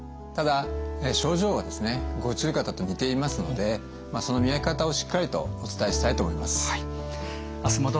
ただ症状は五十肩と似ていますのでその見分け方をしっかりとお伝えしたいと思います。